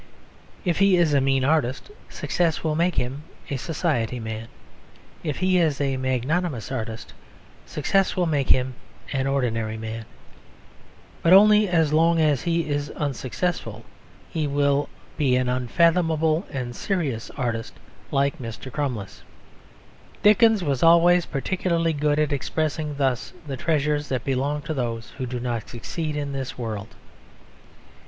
If he is a mean artist success will make him a society man. If he is a magnanimous artist, success will make him an ordinary man. But only as long as he is unsuccessful will he be an unfathomable and serious artist, like Mr. Crummles. Dickens was always particularly good at expressing thus the treasures that belong to those who do not succeed in this world.